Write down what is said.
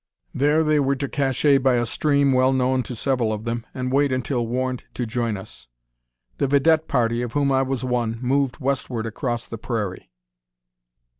There they were to "cacher" by a stream well known to several of them, and wait until warned to join us. The vidette party, of whom I was one, moved westward across the prairie.